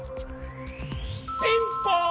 ピンポン！